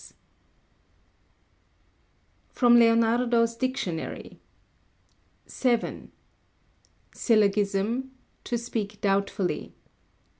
[Sidenote: From Leonardo's Dictionary] 7. Syllogism: to speak doubtfully.